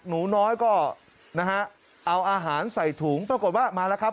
หนูน้อยก็นะฮะเอาอาหารใส่ถุงปรากฏว่ามาแล้วครับ